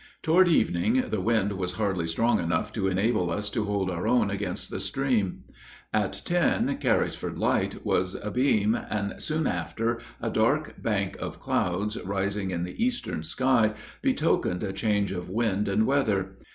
Toward evening the wind was hardly strong enough to enable us to hold our own against the stream. At ten, Carysfort Light was abeam, and soon after a dark bank of clouds rising in the eastern sky betokened a change of wind and weather.